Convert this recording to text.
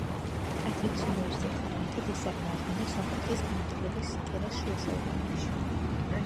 ტათევის უნივერსიტეტთან ერთად ის წარმოადგენდა სომხეთის განათლების კერას შუა საუკუნეებში.